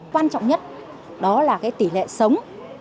quan trọng nhất đó là tỷ lệ sống